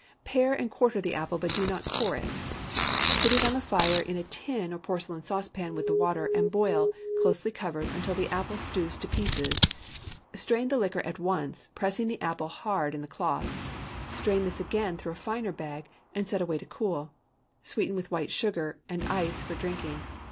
Pare and quarter the apple, but do not core it. Put it on the fire in a tin or porcelain saucepan with the water, and boil, closely covered, until the apple stews to pieces. Strain the liquor at once, pressing the apple hard in the cloth. Strain this again through a finer bag, and set away to cool. Sweeten with white sugar, and ice for drinking.